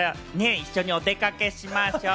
一緒にお出かけしましょう！